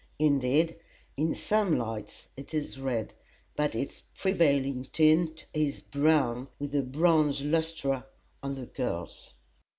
Indeed, in some lights it is red, but its prevailing tint is brown, with a bronze lustre on the curls.